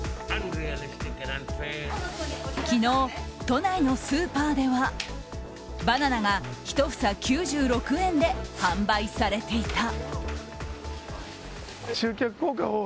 昨日、都内のスーパーではバナナが１房９６円で販売されていた。